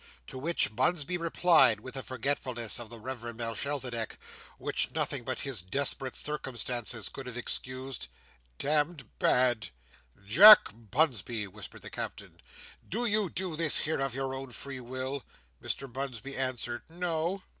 To which Bunsby replied, with a forgetfulness of the Reverend Melchisedech, which nothing but his desperate circumstances could have excused: "D——d bad," "Jack Bunsby," whispered the Captain, "do you do this here, of your own free will?" Mr Bunsby answered "No."